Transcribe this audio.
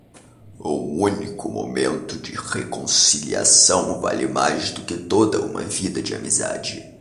Um único momento de reconciliação vale mais do que toda uma vida de amizade.